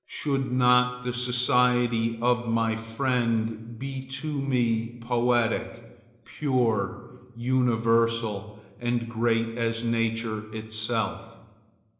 Should not the society of my friend be to me poetic, pure, universal and great as nature itself?